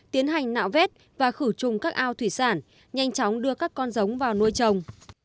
tiến hành nạo vét và khử trùng các ao thủy sản nhanh chóng đưa các con giống vào nuôi trồng